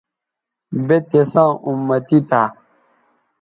بے تِساں اُمتی تھا